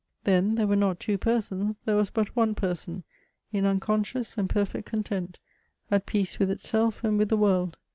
Then there were not two persons, there was but one person in unconscious and perfect content, at peace with itself and with the world.